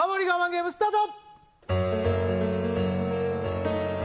ゲームスタート